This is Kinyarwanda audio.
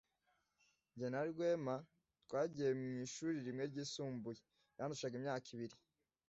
Jye na Rwema twagiye mu ishuri rimwe ryisumbuye. Yandushaga imyaka ibiri.